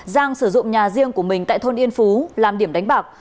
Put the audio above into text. giang sử dụng nhà riêng của mình tại thôn yên phú làm điểm đánh bạc